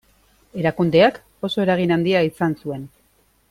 Erakundeak oso eragin handia izan zuen.